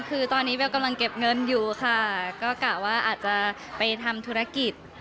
คือตอนนี้เบลกำลังเก็บเงินอยู่ค่ะก็กะว่าอาจจะไปทำธุรกิจ